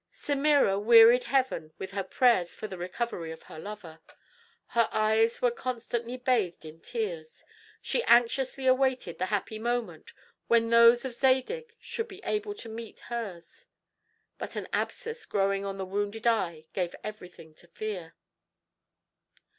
Semira wearied Heaven with her prayers for the recovery of her lover. Her eyes were constantly bathed in tears; she anxiously awaited the happy moment when those of Zadig should be able to meet hers; but an abscess growing on the wounded eye gave everything to fear.